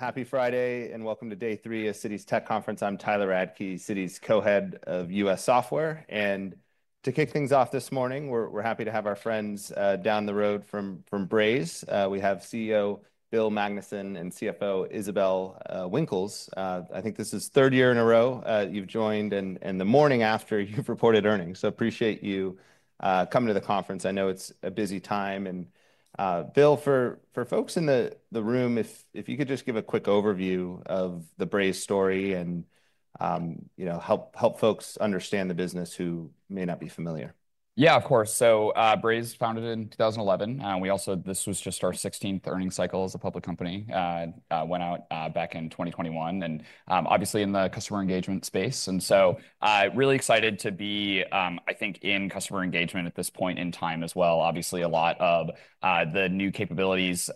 Happy Friday and welcome to day three of Citi's Tech Conference. I'm Tyler Radke, Citi's Co-Head of U.S. Software. To kick things off this morning, we're happy to have our friends down the road from Braze. We have CEO Bill Magnuson and CFO Isabelle Winkles. I think this is the third year in a row you've joined, the morning after you've reported earnings. I appreciate you coming to the conference. I know it's a busy time. Bill, for folks in the room, if you could just give a quick overview of the Braze story and help folks understand the business who may not be familiar. Yeah, of course. Braze was founded in 2011. This was just our 16th earnings cycle as a public company. It went out back in 2021, and obviously in the customer engagement space. Really excited to be, I think, in customer engagement at this point in time as well. Obviously, a lot of the new capabilities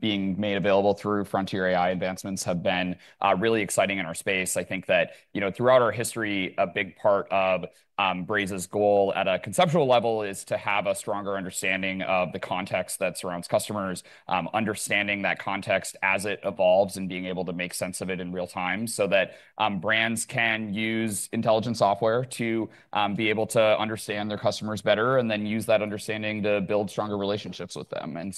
being made available through Frontier AI advancements have been really exciting in our space. I think that throughout our history, a big part of Braze's goal at a conceptual level is to have a stronger understanding of the context that surrounds customers, understanding that context as it evolves, and being able to make sense of it in real time so that brands can use intelligent software to be able to understand their customers better and then use that understanding to build stronger relationships with them.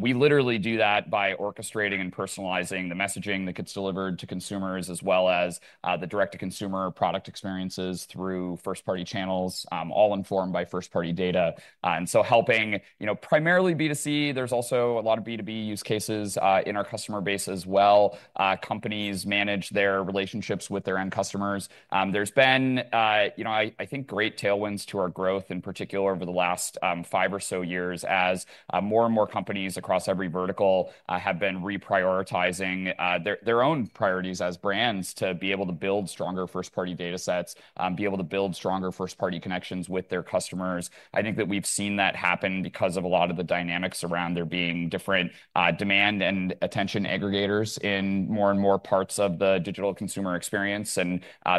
We literally do that by orchestrating and personalizing the messaging that gets delivered to consumers, as well as the direct-to-consumer product experiences through first-party channels, all informed by first-party data. Helping primarily B2C, there's also a lot of B2B use cases in our customer base as well. Companies manage their relationships with their end customers. There have been, I think, great tailwinds to our growth, in particular over the last five or so years, as more and more companies across every vertical have been reprioritizing their own priorities as brands to be able to build stronger first-party data sets, be able to build stronger first-party connections with their customers. I think that we've seen that happen because of a lot of the dynamics around there being different demand and attention aggregators in more and more parts of the digital consumer experience.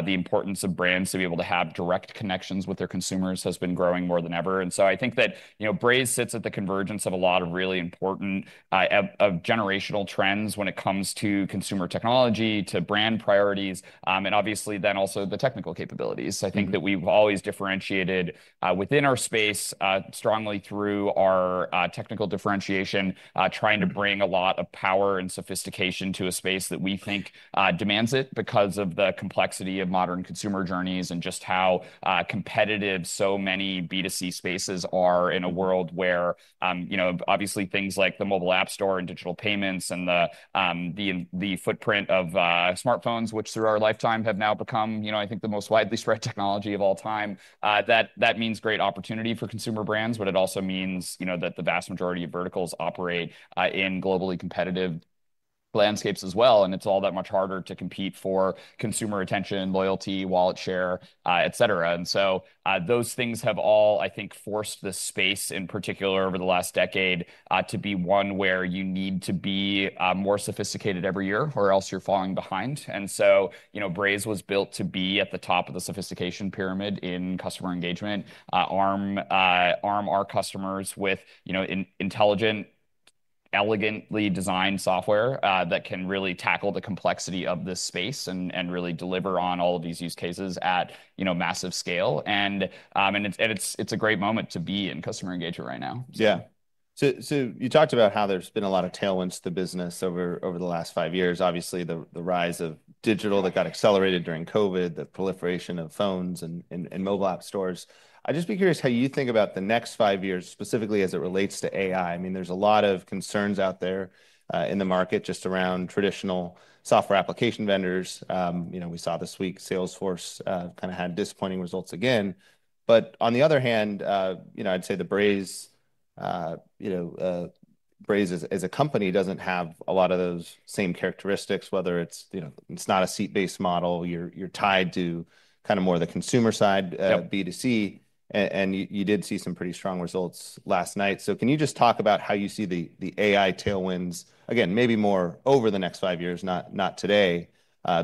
The importance of brands to be able to have direct connections with their consumers has been growing more than ever. I think that Braze sits at the convergence of a lot of really important generational trends when it comes to consumer technology, to brand priorities, and obviously then also the technical capabilities. I think that we've always differentiated within our space strongly through our technical differentiation, trying to bring a lot of power and sophistication to a space that we think demands it because of the complexity of modern consumer journeys and just how competitive so many B2C spaces are in a world where, you know, obviously things like the mobile app store and digital payments and the footprint of smartphones, which through our lifetime have now become, you know, I think the most widely spread technology of all time. That means great opportunity for consumer brands. It also means that the vast majority of verticals operate in globally competitive landscapes as well. It's all that much harder to compete for consumer attention, loyalty, wallet share, etc. Those things have all, I think, forced this space in particular over the last decade to be one where you need to be more sophisticated every year, or else you're falling behind. Braze was built to be at the top of the sophistication pyramid in customer engagement, arm our customers with intelligent, elegantly designed software that can really tackle the complexity of this space and really deliver on all of these use cases at massive scale. It's a great moment to be in customer engagement right now. Yeah. You talked about how there's been a lot of tailwinds to the business over the last five years, obviously the rise of digital that got accelerated during COVID, the proliferation of phones and mobile app stores. I'd just be curious how you think about the next five years, specifically as it relates to AI. There's a lot of concerns out there in the market just around traditional software application vendors. We saw this week Salesforce kind of had disappointing results again. On the other hand, I'd say that Braze, as a company, doesn't have a lot of those same characteristics, whether it's not a seat-based model. You're tied to kind of more of the consumer side, B2C. You did see some pretty strong results last night. Can you just talk about how you see the AI tailwinds, again, maybe more over the next five years, not today,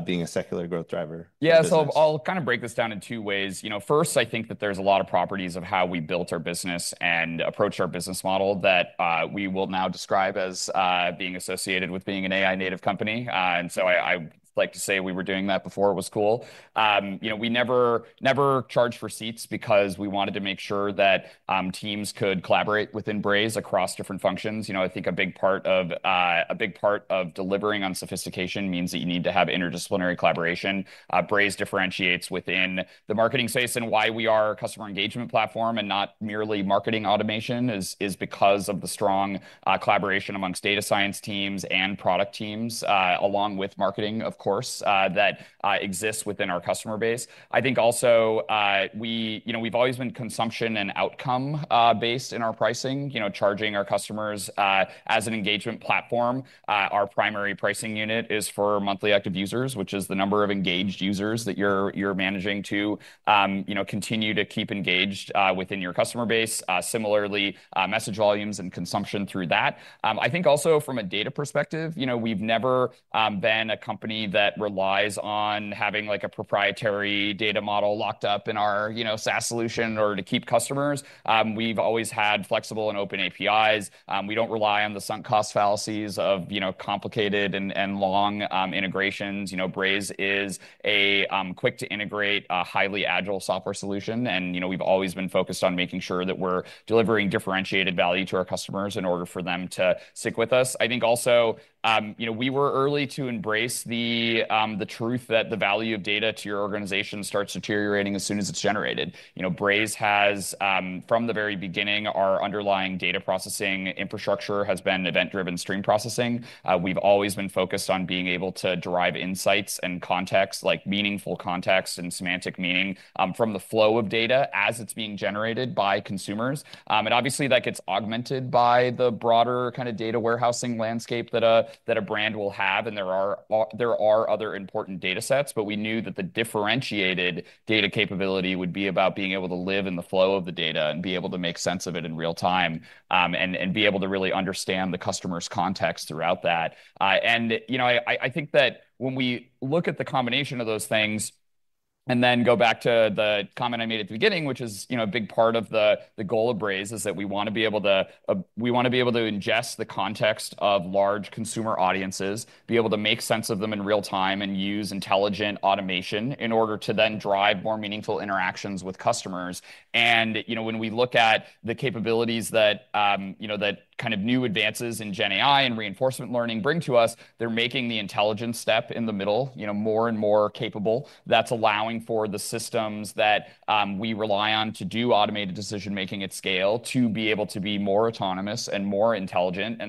being a secular growth driver? Yeah, so I'll kind of break this down in two ways. First, I think that there's a lot of properties of how we built our business and approach our business model that we will now describe as being associated with being an AI-native company. I like to say we were doing that before it was cool. We never charged for seats because we wanted to make sure that teams could collaborate within Braze across different functions. I think a big part of delivering on sophistication means that you need to have interdisciplinary collaboration. Braze differentiates within the marketing space. Why we are a customer engagement platform and not merely marketing automation is because of the strong collaboration amongst data science teams and product teams, along with marketing, of course, that exists within our customer base. I think also we've always been consumption and outcome-based in our pricing, charging our customers as an engagement platform. Our primary pricing unit is for monthly active users, which is the number of engaged users that you're managing to continue to keep engaged within your customer base. Similarly, message volumes and consumption through that. I think also from a data perspective, we've never been a company that relies on having like a proprietary data model locked up in our SaaS solution in order to keep customers. We've always had flexible and open APIs. We don't rely on the sunk cost fallacies of complicated and long integrations. Braze is a quick-to-integrate, highly agile software solution. We've always been focused on making sure that we're delivering differentiated value to our customers in order for them to stick with us. I think also we were early to embrace the truth that the value of data to your organization starts deteriorating as soon as it's generated. Braze has, from the very beginning, our underlying data processing infrastructure has been event-driven stream processing. We've always been focused on being able to derive insights and context, like meaningful context and semantic meaning from the flow of data as it's being generated by consumers. Obviously, that gets augmented by the broader kind of data warehousing landscape that a brand will have. There are other important data sets. We knew that the differentiated data capability would be about being able to live in the flow of the data and be able to make sense of it in real time and be able to really understand the customer's context throughout that. I think that when we look at the combination of those things and then go back to the comment I made at the beginning, which is a big part of the goal of Braze, is that we want to be able to ingest the context of large consumer audiences, be able to make sense of them in real time, and use intelligent automation in order to then drive more meaningful interactions with customers. When we look at the capabilities that new advances in Gen AI and reinforcement learning bring to us, they're making the intelligence step in the middle more and more capable. That is allowing for the systems that we rely on to do automated decision-making at scale to be able to be more autonomous and more intelligent.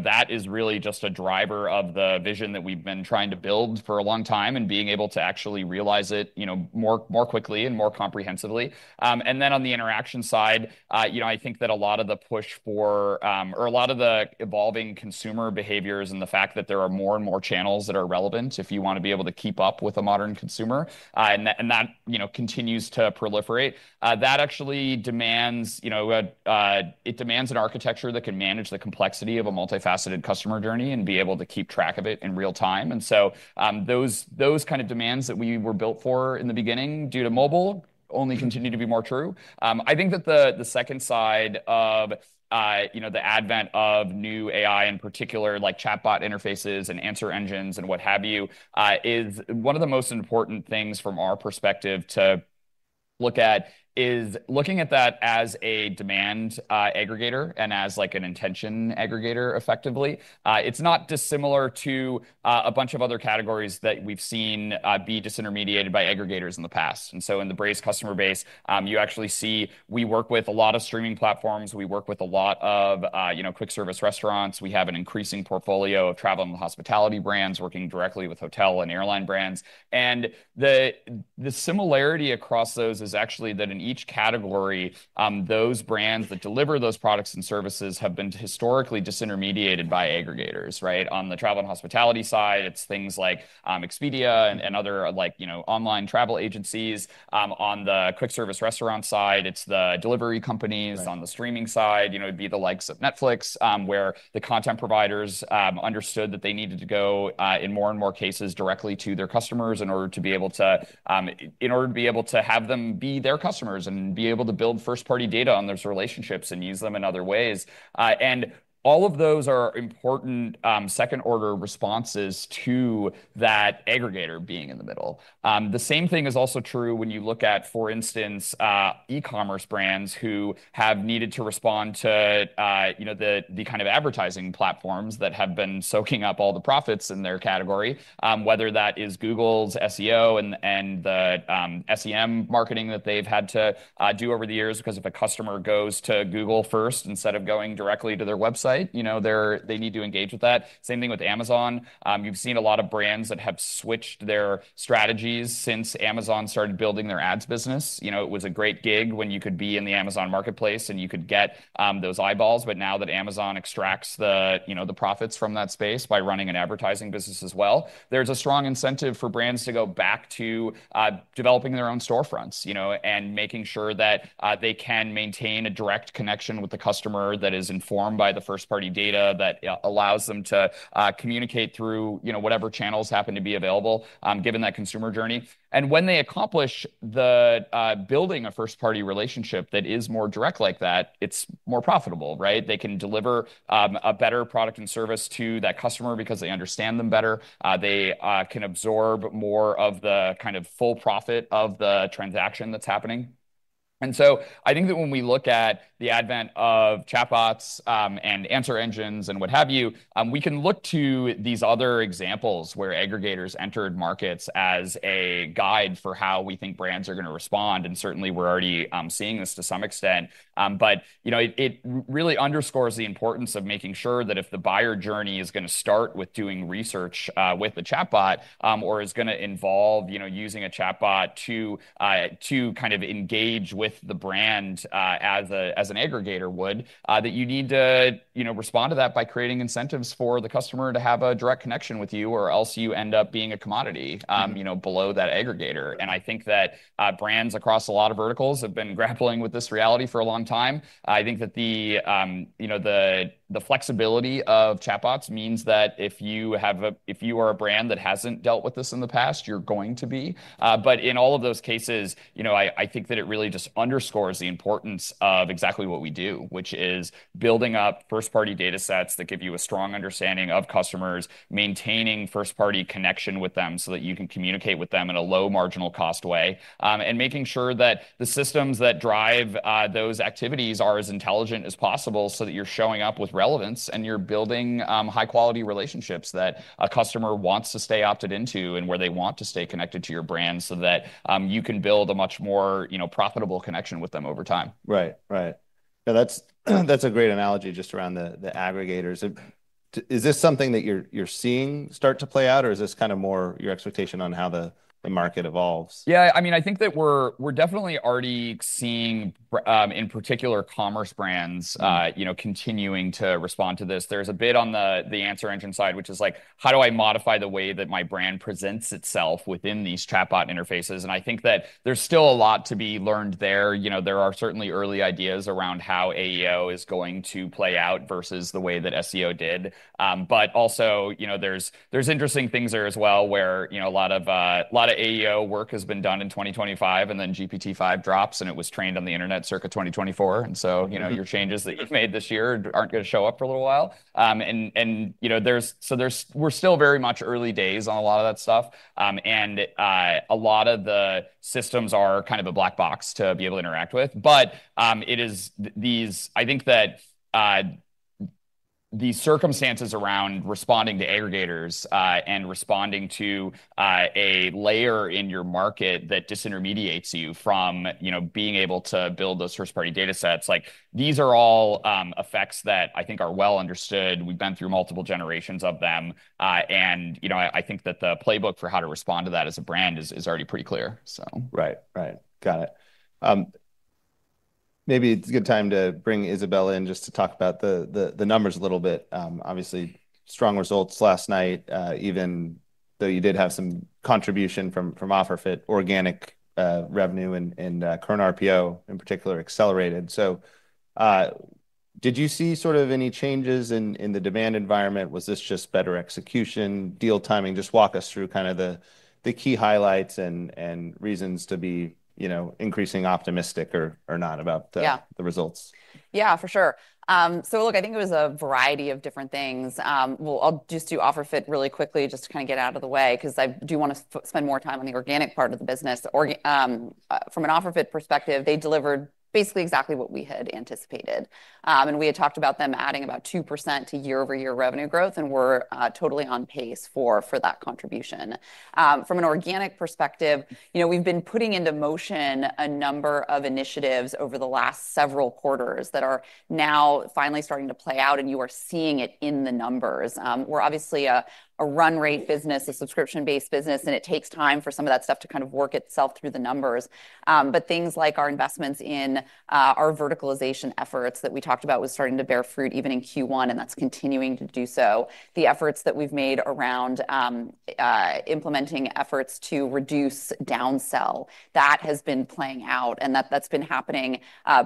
That is really just a driver of the vision that we've been trying to build for a long time and being able to actually realize it more quickly and more comprehensively. On the interaction side, I think that a lot of the push for, or a lot of the evolving consumer behaviors and the fact that there are more and more channels that are relevant if you want to be able to keep up with a modern consumer, and that continues to proliferate. That actually demands an architecture that can manage the complexity of a multifaceted customer journey and be able to keep track of it in real time. Those kind of demands that we were built for in the beginning due to mobile only continue to be more true. I think that the second side of the advent of new AI in particular, like chatbot interfaces and answer engines and what have you, is one of the most important things from our perspective to look at is looking at that as a demand aggregator and as an intention aggregator effectively. It's not dissimilar to a bunch of other categories that we've seen be disintermediated by aggregators in the past. In the Braze customer base, you actually see we work with a lot of streaming platforms. We work with a lot of quick service restaurants. We have an increasing portfolio of travel and hospitality brands working directly with hotel and airline brands. The similarity across those is actually that in each category, those brands that deliver those products and services have been historically disintermediated by aggregators, right? On the travel and hospitality side, it's things like Expedia and other, you know, online travel agencies. On the quick service restaurant side, it's the delivery companies. On the streaming side, it'd be the likes of Netflix, where the content providers understood that they needed to go in more and more cases directly to their customers in order to be able to have them be their customers and be able to build first-party data on those relationships and use them in other ways. All of those are important second-order responses to that aggregator being in the middle. The same thing is also true when you look at, for instance, e-commerce brands who have needed to respond to the kind of advertising platforms that have been soaking up all the profits in their category, whether that is Google's SEO and the SEM marketing that they've had to do over the years. If a customer goes to Google first instead of going directly to their website, they need to engage with that. The same thing with Amazon. You've seen a lot of brands that have switched their strategies since Amazon started building their ads business. It was a great gig when you could be in the Amazon Marketplace and you could get those eyeballs. Now that Amazon extracts the profits from that space by running an advertising business as well, there's a strong incentive for brands to go back to developing their own storefronts and making sure that they can maintain a direct connection with the customer that is informed by the first-party data that allows them to communicate through whatever channels happen to be available given that consumer journey. When they accomplish building a first-party relationship that is more direct like that, it's more profitable, right? They can deliver a better product and service to that customer because they understand them better. They can absorb more of the full profit of the transaction that's happening. I think that when we look at the advent of chatbots and answer engines and what have you, we can look to these other examples where aggregators entered markets as a guide for how we think brands are going to respond. Certainly, we're already seeing this to some extent. It really underscores the importance of making sure that if the buyer journey is going to start with doing research with the chatbot or is going to involve using a chatbot to engage with the brand as an aggregator would, you need to respond to that by creating incentives for the customer to have a direct connection with you, or else you end up being a commodity below that aggregator. I think that brands across a lot of verticals have been grappling with this reality for a long time. I think that the flexibility of chatbots means that if you are a brand that hasn't dealt with this in the past, you're going to be. In all of those cases, it really just underscores the importance of exactly what we do, which is building up first-party data sets that give you a strong understanding of customers, maintaining first-party connection with them so that you can communicate with them in a low marginal cost way, and making sure that the systems that drive those activities are as intelligent as possible so that you're showing up with relevance and you're building high-quality relationships that a customer wants to stay opted into and where they want to stay connected to your brand so that you can build a much more profitable connection with them over time. Right, right. Yeah, that's a great analogy just around the aggregators. Is this something that you're seeing start to play out, or is this kind of more your expectation on how the market evolves? Yeah, I mean, I think that we're definitely already seeing, in particular, commerce brands continuing to respond to this. There's a bit on the answer engine side, which is like, how do I modify the way that my brand presents itself within these chatbot interfaces? I think that there's still a lot to be learned there. There are certainly early ideas around how AEO is going to play out versus the way that SEO did. There's interesting things there as well where a lot of AEO work has been done in 2025, and then GPT-5 drops and it was trained on the internet circa 2024. Your changes that you've made this year aren't going to show up for a little while. We're still very much early days on a lot of that stuff. A lot of the systems are kind of a black box to be able to interact with. The circumstances around responding to aggregators and responding to a layer in your market that disintermediates you from being able to build those first-party data sets, these are all effects that I think are well understood. We've been through multiple generations of them. I think that the playbook for how to respond to that as a brand is already pretty clear. Right, right. Got it. Maybe it's a good time to bring Isabelle in just to talk about the numbers a little bit. Obviously, strong results last night, even though you did have some contribution from OfferFit, organic revenue in particular accelerated. Did you see any changes in the demand environment? Was this just better execution, deal timing? Walk us through the key highlights and reasons to be increasing optimistic or not about the results. Yeah, for sure. I think it was a variety of different things. Just to OfferFit really quickly, just to kind of get out of the way, because I do want to spend more time on the organic part of the business. From an OfferFit perspective, they delivered basically exactly what we had anticipated. We had talked about them adding about 2% to year-over-year revenue growth, and we're totally on pace for that contribution. From an organic perspective, we've been putting into motion a number of initiatives over the last several quarters that are now finally starting to play out, and you are seeing it in the numbers. We're obviously a run-rate business, a subscription-based business, and it takes time for some of that stuff to kind of work itself through the numbers. Things like our investments in our verticalization initiatives that we talked about were starting to bear fruit even in Q1, and that's continuing to do so. The efforts that we've made around implementing efforts to reduce downsell have been playing out, and that's been happening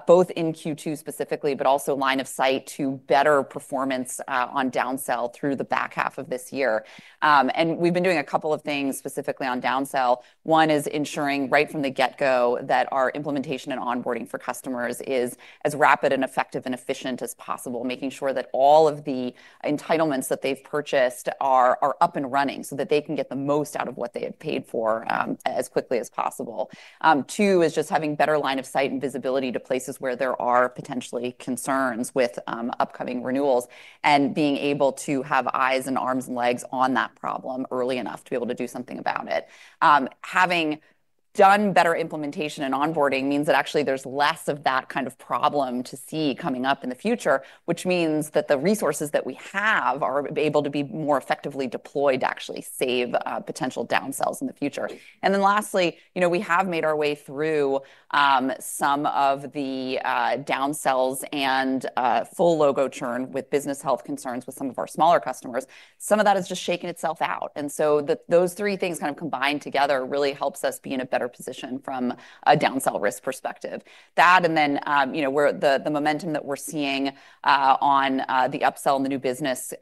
both in Q2 specifically, but also line of sight to better performance on downsell through the back half of this year. We've been doing a couple of things specifically on downsell. One is ensuring right from the get-go that our implementation and onboarding for customers is as rapid and effective and efficient as possible, making sure that all of the entitlements that they've purchased are up and running so that they can get the most out of what they have paid for as quickly as possible. Two is just having better line of sight and visibility to places where there are potentially concerns with upcoming renewals and being able to have eyes and arms and legs on that problem early enough to be able to do something about it. Having done better implementation and onboarding means that actually there's less of that kind of problem to see coming up in the future, which means that the resources that we have are able to be more effectively deployed to actually save potential downsells in the future. Lastly, we have made our way through some of the downsells and full logo churn with business health concerns with some of our smaller customers. Some of that has just shaken itself out. Those three things kind of combined together really help us be in a better position from a downsell risk perspective. The momentum that we're seeing on the upsell and the new business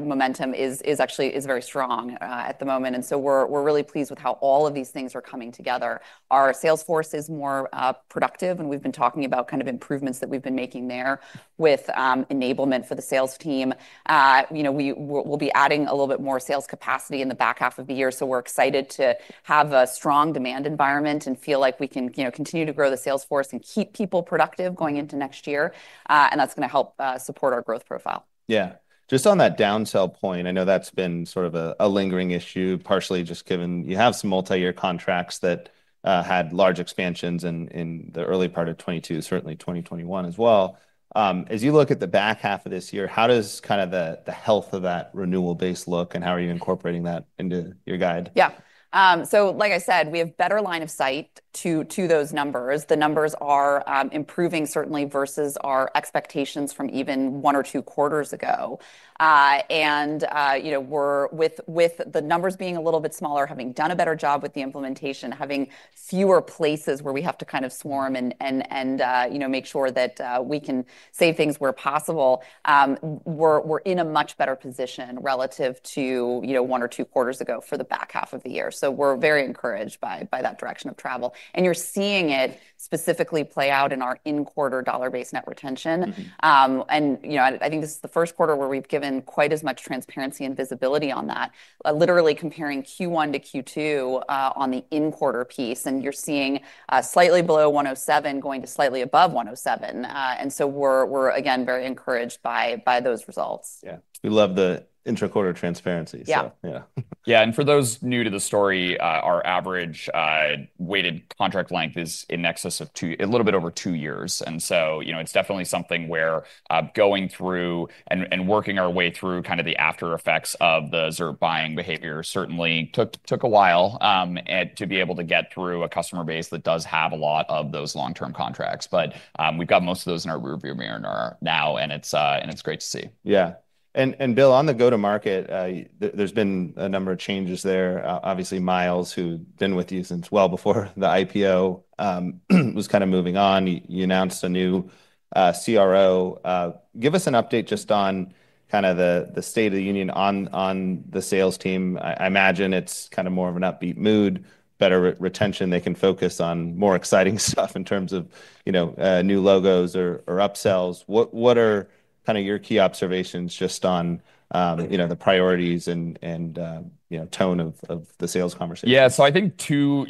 momentum is actually very strong at the moment. We're really pleased with how all of these things are coming together. Our sales force is more productive, and we've been talking about improvements that we've been making there with enablement for the sales team. We will be adding a little bit more sales capacity in the back half of the year. We're excited to have a strong demand environment and feel like we can continue to grow the sales force and keep people productive going into next year. That's going to help support our growth profile. Yeah, just on that downsell point, I know that's been sort of a lingering issue, partially just given you have some multi-year contracts that had large expansions in the early part of 2022, certainly 2021 as well. As you look at the back half of this year, how does kind of the health of that renewal base look? How are you incorporating that into your guide? Yeah, like I said, we have better line of sight to those numbers. The numbers are improving certainly versus our expectations from even one or two quarters ago. With the numbers being a little bit smaller, having done a better job with the implementation, having fewer places where we have to kind of swarm and make sure that we can save things where possible, we're in a much better position relative to one or two quarters ago for the back half of the year. We are very encouraged by that direction of travel. You're seeing it specifically play out in our in-quarter dollar-based net retention. I think this is the first quarter where we've given quite as much transparency and visibility on that, literally comparing Q1 to Q2 on the in-quarter piece. You're seeing slightly below 107% going to slightly above 107%. We are, again, very encouraged by those results. Yeah, we love the intra-quarter transparency. Yeah. Yeah, and for those new to the story, our average weighted contract length is in excess of a little bit over two years. It's definitely something where going through and working our way through kind of the after-effects of the [serve] buying behavior certainly took a while to be able to get through a customer base that does have a lot of those long-term contracts. We've got most of those in our rearview mirror now. It's great to see. Yeah, and Bill, on the go-to-market, there's been a number of changes there. Obviously, Myles, who's been with you since well before the IPO, was kind of moving on. You announced a new CRO. Give us an update just on kind of the state of the union on the sales team. I imagine it's kind of more of an upbeat mood, better retention. They can focus on more exciting stuff in terms of, you know, new logos or upsells. What are kind of your key observations just on, you know, the priorities and, you know, tone of the sales conversation? Yeah, so I think two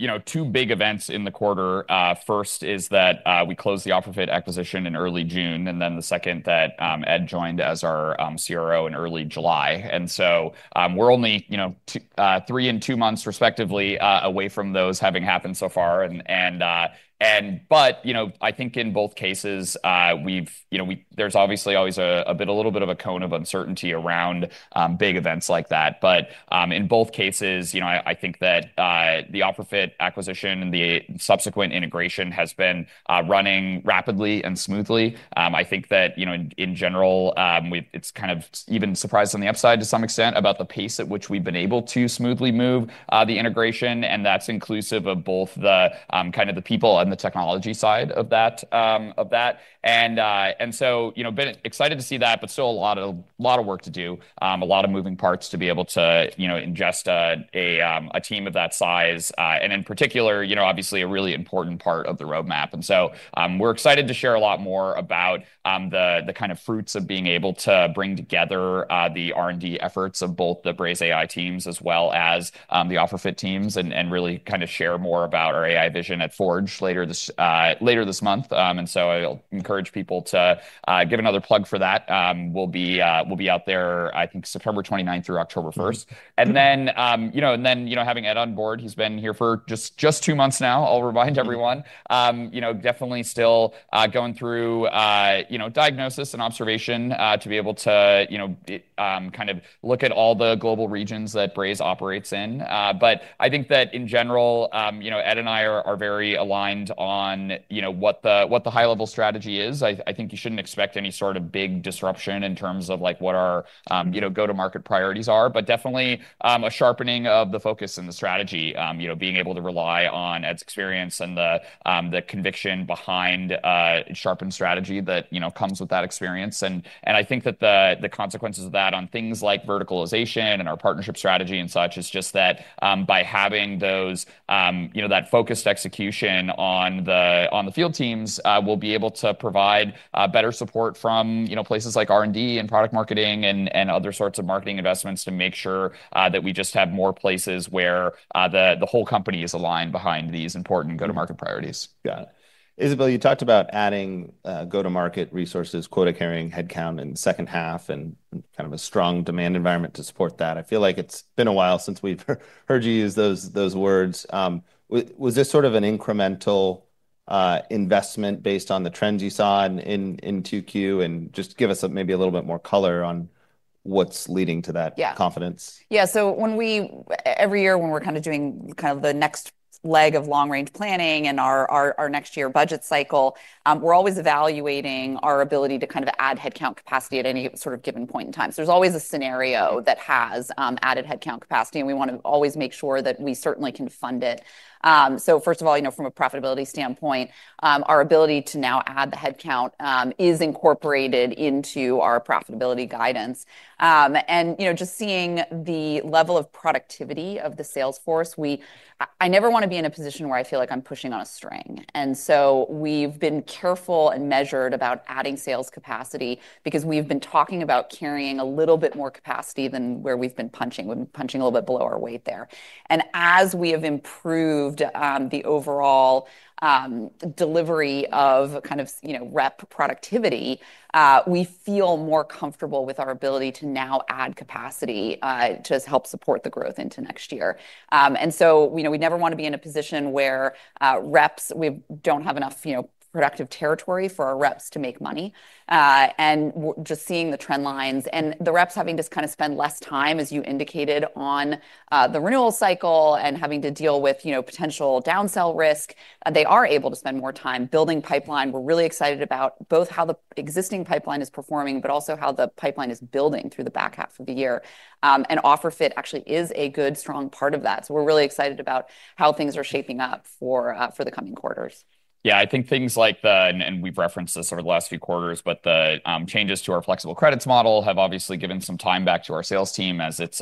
big events in the quarter. First is that we closed the OfferFit acquisition in early June. The second is that Ed joined as our CRO in early July. We're only three and two months respectively away from those having happened so far. I think in both cases, there's obviously always a little bit of a cone of uncertainty around big events like that. In both cases, I think that the OfferFit acquisition and the subsequent integration has been running rapidly and smoothly. In general, it's kind of even surprised on the upside to some extent about the pace at which we've been able to smoothly move the integration. That's inclusive of both the people and the technology side of that. I've been excited to see that, but still a lot of work to do, a lot of moving parts to be able to ingest a team of that size. In particular, obviously a really important part of the roadmap. We're excited to share a lot more about the fruits of being able to bring together the R&D efforts of both the Braze AI teams as well as the OfferFit teams and really share more about our AI vision at Forge later this month. I encourage people to give another plug for that. We'll be out there, I think, September 29- October 1. Having Ed on board, he's been here for just two months now, I'll remind everyone, definitely still going through diagnosis and observation to be able to look at all the global regions that Braze operates in. I think that in general, Ed and I are very aligned on what the high-level strategy is. You shouldn't expect any sort of big disruption in terms of what our go-to-market priorities are, but definitely a sharpening of the focus and the strategy, being able to rely on Ed's experience and the conviction behind sharpened strategy that comes with that experience. I think that the consequences of that on things like verticalization and our partnership strategy and such is just that by having that focused execution on the field teams, we'll be able to provide better support from places like R&D and product marketing and other sorts of marketing investments to make sure that we just have more places where the whole company is aligned behind these important go-to-market priorities. Yeah. Isabelle, you talked about adding go-to-market resources, quota-carrying headcount in the second half, and kind of a strong demand environment to support that. I feel like it's been a while since we've heard you use those words. Was this sort of an incremental investment based on the trends you saw in 2Q? Just give us maybe a little bit more color on what's leading to that confidence. Yeah, every year when we're doing the next leg of long-range planning and our next year budget cycle, we're always evaluating our ability to add headcount capacity at any given point in time. There's always a scenario that has added headcount capacity, and we want to always make sure that we certainly can fund it. First of all, from a profitability standpoint, our ability to now add the headcount is incorporated into our profitability guidance. Just seeing the level of productivity of the sales force, I never want to be in a position where I feel like I'm pushing on a string. We've been careful and measured about adding sales capacity because we've been talking about carrying a little bit more capacity than where we've been punching. We've been punching a little bit below our weight there. As we have improved the overall delivery of rep productivity, we feel more comfortable with our ability to now add capacity to help support the growth into next year. We never want to be in a position where we don't have enough productive territory for our reps to make money. Just seeing the trend lines and the reps having to spend less time, as you indicated, on the renewal cycle and having to deal with potential downsell risk, they are able to spend more time building pipeline. We're really excited about both how the existing pipeline is performing, but also how the pipeline is building through the back half of the year. OfferFit actually is a good, strong part of that. We're really excited about how things are shaping up for the coming quarters. I think things like the, and we've referenced this over the last few quarters, but the changes to our flexible credits model have obviously given some time back to our sales team as it's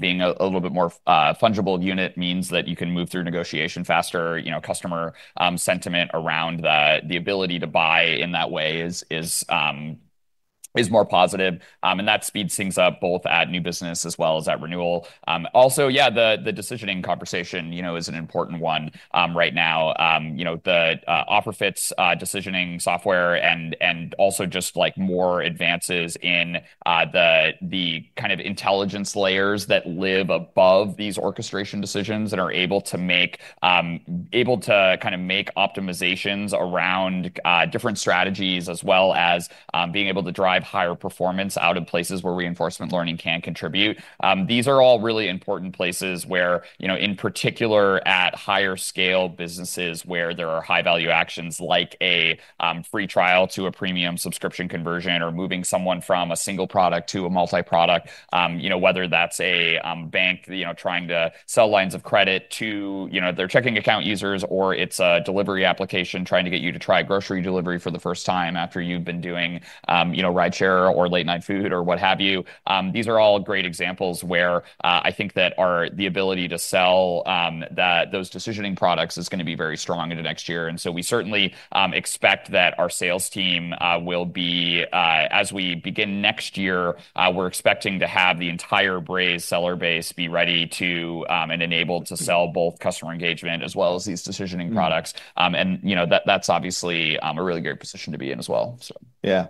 being a little bit more fungible unit. It means that you can move through negotiation faster. Customer sentiment around the ability to buy in that way is more positive. That speeds things up both at new business as well as at renewal. Also, the decisioning conversation is an important one right now. The OfferFit's decisioning software and also just more advances in the kind of intelligence layers that live above these orchestration decisions and are able to make optimizations around different strategies, as well as being able to drive higher performance out of places where reinforcement learning can contribute. These are all really important places where, in particular at higher scale businesses where there are high-value actions like a free trial to a premium subscription conversion or moving someone from a single product to a multi-product, whether that's a bank trying to sell lines of credit to their checking account users, or it's a delivery application trying to get you to try grocery delivery for the first time after you've been doing ride share or late-night food or what have you. These are all great examples where I think that the ability to sell those decisioning products is going to be very strong into next year. We certainly expect that our sales team will be, as we begin next year, we're expecting to have the entire Braze seller base be ready and enabled to sell both customer engagement as well as these decisioning products. That's obviously a really great position to be in as well. Yeah.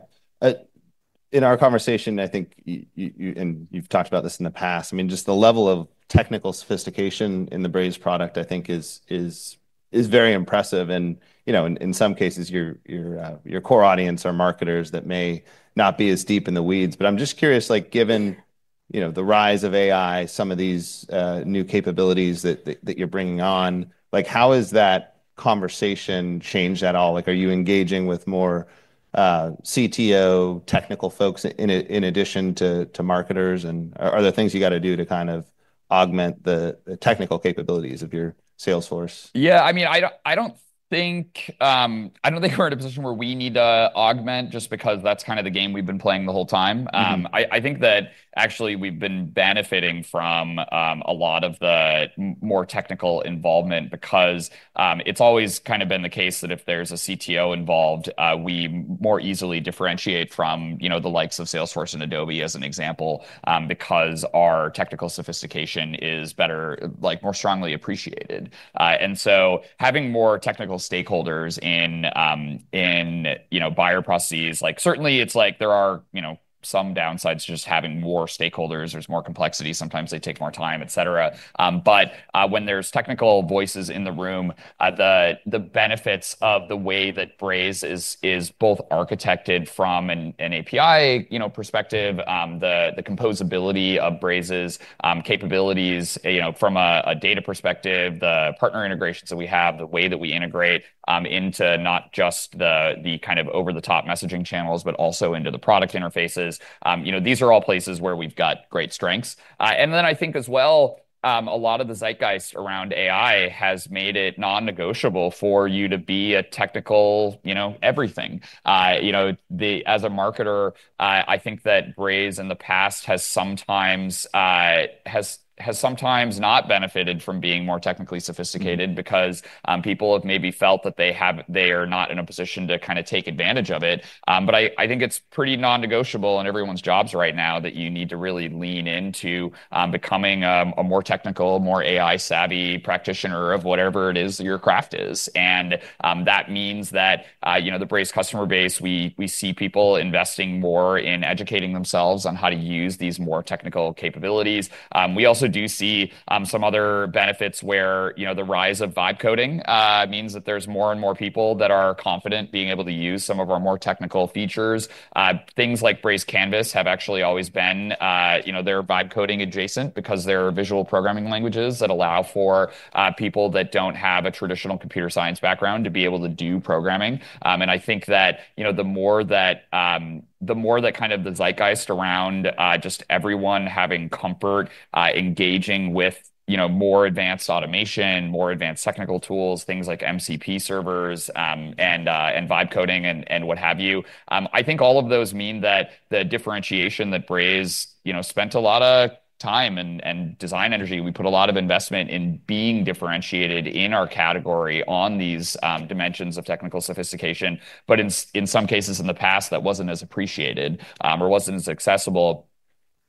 In our conversation, I think you've talked about this in the past. I mean, just the level of technical sophistication in the Braze product, I think, is very impressive. In some cases, your core audience are marketers that may not be as deep in the weeds. I'm just curious, given the rise of AI, some of these new capabilities that you're bringing on, how has that conversation changed at all? Are you engaging with more CTO technical folks in addition to marketers? Are there things you got to do to kind of augment the technical capabilities of your sales force? Yeah, I mean, I don't think we're in a position where we need to augment just because that's kind of the game we've been playing the whole time. I think that actually we've been benefiting from a lot of the more technical involvement because it's always kind of been the case that if there's a CTO involved, we more easily differentiate from, you know, the likes of Salesforce and Adobe as an example because our technical sophistication is better, like more strongly appreciated. Having more technical stakeholders in buyer processes, certainly it's like there are some downsides to just having more stakeholders. There's more complexity. Sometimes they take more time, etc. When there's technical voices in the room, the benefits of the way that Braze is both architected from an API perspective, the composability of Braze's capabilities from a data perspective, the partner integrations that we have, the way that we integrate into not just the kind of over-the-top messaging channels, but also into the product interfaces, these are all places where we've got great strengths. I think as well, a lot of the zeitgeist around AI has made it non-negotiable for you to be a technical, you know, everything. As a marketer, I think that Braze in the past has sometimes not benefited from being more technically sophisticated because people have maybe felt that they are not in a position to kind of take advantage of it. I think it's pretty non-negotiable in everyone's jobs right now that you need to really lean into becoming a more technical, more AI-savvy practitioner of whatever it is that your craft is. That means that the Braze customer base, we see people investing more in educating themselves on how to use these more technical capabilities. We also do see some other benefits where the rise of vibe coding means that there's more and more people that are confident being able to use some of our more technical features. Things like Braze Canvas have actually always been vibe coding adjacent because they're visual programming languages that allow for people that don't have a traditional computer science background to be able to do programming. I think that, you know, the more that kind of the zeitgeist around just everyone having comfort engaging with, you know, more advanced automation, more advanced technical tools, things like MCP servers and vibe coding and what have you, I think all of those mean that the differentiation that Braze, you know, spent a lot of time and design energy, we put a lot of investment in being differentiated in our category on these dimensions of technical sophistication. In some cases in the past, that wasn't as appreciated or wasn't as accessible.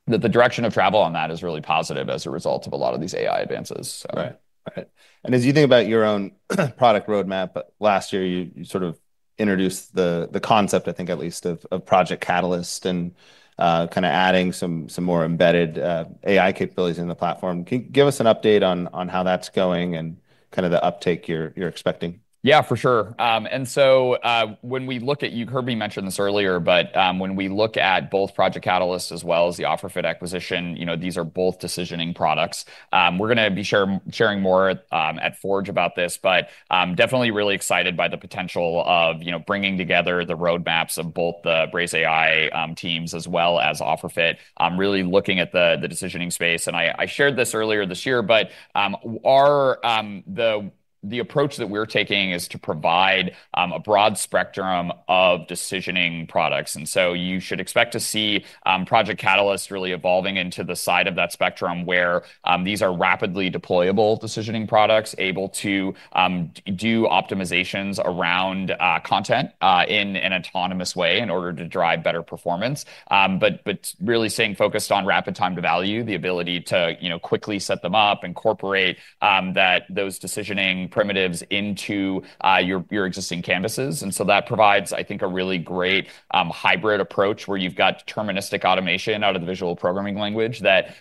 The direction of travel on that is really positive as a result of a lot of these AI advances. Right. As you think about your own product roadmap, last year you sort of introduced the concept, I think at least, of Project Catalyst and kind of adding some more embedded AI capabilities in the platform. Can you give us an update on how that's going and kind of the uptake you're expecting? Yeah, for sure. When we look at, you heard me mention this earlier, but when we look at both Project Catalyst as well as the OfferFit acquisition, these are both decisioning products. We're going to be sharing more at Forge about this, but definitely really excited by the potential of bringing together the roadmaps of both the Braze AI teams as well as OfferFit, really looking at the decisioning space. I shared this earlier this year, but the approach that we're taking is to provide a broad spectrum of decisioning products. You should expect to see Project Catalyst really evolving into the side of that spectrum where these are rapidly deployable decisioning products able to do optimizations around content in an autonomous way in order to drive better performance. Really staying focused on rapid time to value, the ability to quickly set them up, incorporate those decisioning primitives into your existing Canvases. That provides, I think, a really great hybrid approach where you've got deterministic automation out of the visual programming language that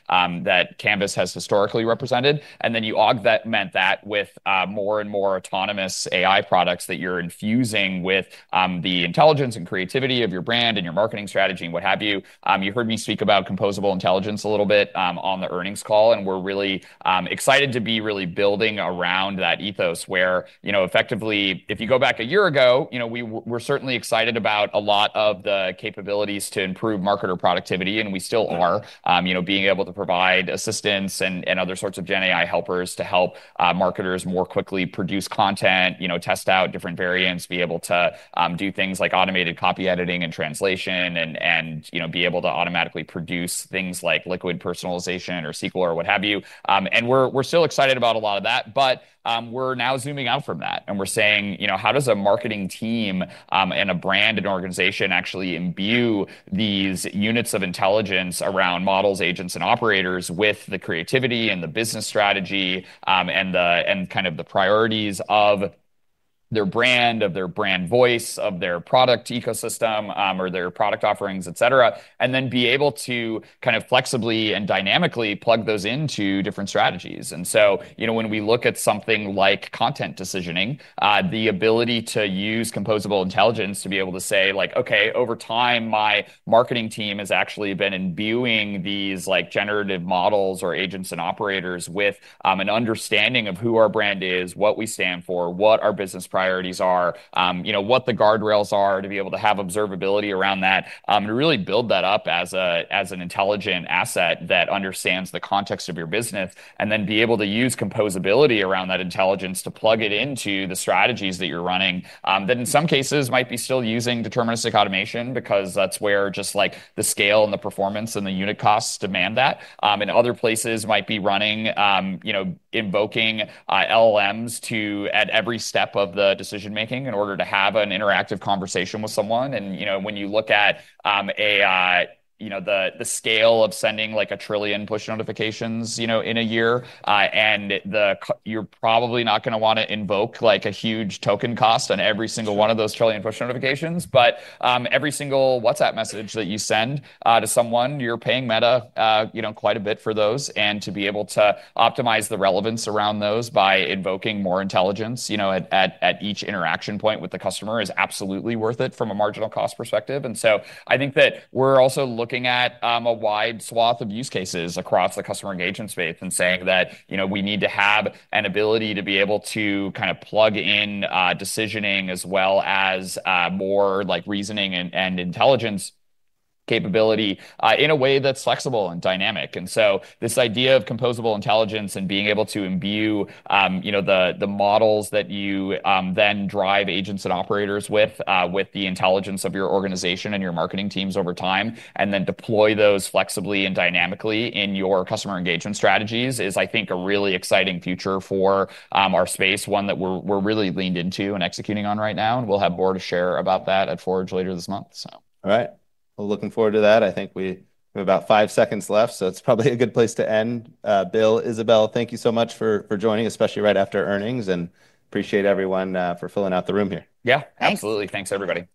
Canvas has historically represented. You augment that with more and more autonomous AI products that you're infusing with the intelligence and creativity of your brand and your marketing strategy and what have you. You heard me speak about composable intelligence a little bit on the earnings call. We're really excited to be really building around that ethos where, effectively, if you go back a year ago, we were certainly excited about a lot of the capabilities to improve marketer productivity. We still are, being able to provide assistance and other sorts of Gen AI helpers to help marketers more quickly produce content, test out different variants, be able to do things like automated copy editing and translation, and be able to automatically produce things like liquid personalization or SQL or what have you. We're still excited about a lot of that. We're now zooming out from that. We are saying, you know, how does a marketing team and a brand and organization actually imbue these units of intelligence around models, agents, and operators with the creativity and the business strategy and the priorities of their brand, of their brand voice, of their product ecosystem, or their product offerings, et cetera, and then be able to flexibly and dynamically plug those into different strategies. When we look at something like content decisioning, the ability to use composable intelligence to be able to say, OK, over time, my marketing team has actually been imbuing these generative models or agents and operators with an understanding of who our brand is, what we stand for, what our business priorities are, what the guardrails are to be able to have observability around that and really build that up as an intelligent asset that understands the context of your business and then be able to use composability around that intelligence to plug it into the strategies that you're running that in some cases might be still using deterministic automation because that's where the scale and the performance and the unit costs demand that. Other places might be running, invoking LLMs at every step of the decision-making in order to have an interactive conversation with someone. When you look at the scale of sending a trillion push notifications in a year, you're probably not going to want to invoke a huge token cost on every single one of those trillion push notifications. Every single WhatsApp message that you send to someone, you're paying Meta quite a bit for those. To be able to optimize the relevance around those by invoking more intelligence at each interaction point with the customer is absolutely worth it from a marginal cost perspective. I think that we are also looking at a wide swath of use cases across the customer engagement space and saying that we need to have an ability to be able to plug in decisioning as well as more reasoning and intelligence capability in a way that's flexible and dynamic. The idea of composable intelligence and being able to imbue, you know, the models that you then drive agents and operators with, with the intelligence of your organization and your marketing teams over time, and then deploy those flexibly and dynamically in your customer engagement strategies is, I think, a really exciting future for our space, one that we're really leaned into and executing on right now. We'll have more to share about that at Forge later this month. All right. Looking forward to that. I think we have about five seconds left. It's probably a good place to end. Bill, Isabelle, thank you so much for joining, especially right after earnings. Appreciate everyone for filling out the room here. Yeah, absolutely. Thanks, everybody.